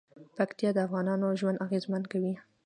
پکتیا د افغانانو ژوند اغېزمن کوي.